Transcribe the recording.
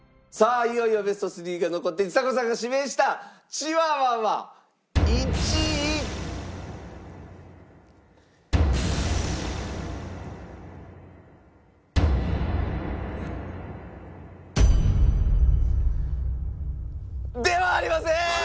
いよいよベスト３が残ってちさ子さんが指名したチワワは１位？ではありません！